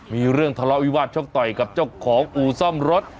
มีเรื่องทะเลาะวิวาสชกต่อยกับเจ้าของอู่ซ่อมรถ